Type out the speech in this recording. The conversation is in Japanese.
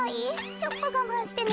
ちょっとがまんしてね。